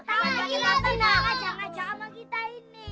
kenapa nak ajak ajak sama kita ini